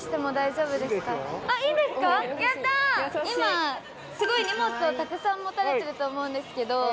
今荷物をたくさん持たれてると思うんですけど。